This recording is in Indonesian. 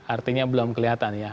artinya belum kelihatan ya